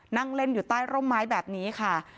นั่งเล่นอยู่ใต้ร่มไม้แบบนี้ค่ะ